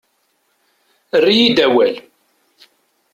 Err-iyi-d awal.